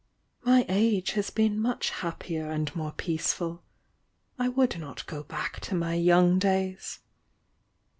"My age has beei. much happier and more peace ful. I would not go back to my young days."